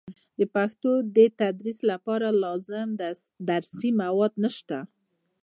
د پښتو د تدریس لپاره لازم درسي مواد نشته.